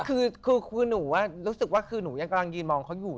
คือหนูรู้สึกว่าคือหนูยังกำลังยืนมองเขาอยู่